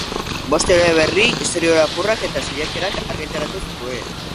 Bost eleberri, istorio lapurrak eta saiakerak argitaratu zituen.